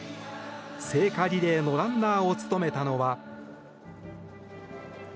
聖火リレーのランナーを務めたのは。